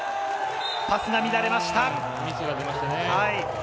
パスが乱れました。